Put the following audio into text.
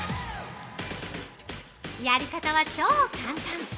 やり方は超簡単。